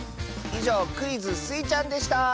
いじょうクイズ「スイちゃん」でした！